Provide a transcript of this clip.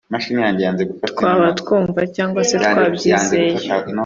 twaba twabyumva cyangwa se twabyizera.